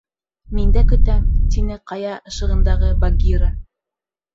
— Мин дә көтәм, — тине ҡая ышығындағы Багира.